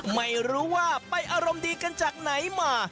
ไม่รู้ว่าไปอารมณ์ดีกันจากไหนมา